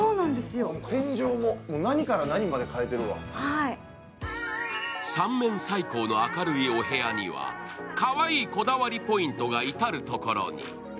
天井も、何から何まで変えてるわ３面採光の明るいお部屋にはかわいいこだわりポイントが至る所に。